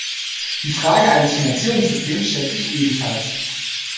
Die Frage eines Finanzierungssystems stellt sich ebenfalls.